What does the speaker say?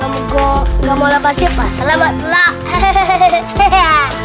alamu goh gak mau lepasin pasal abad telak